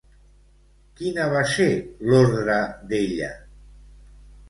Quina va ser l'ordre d'ella?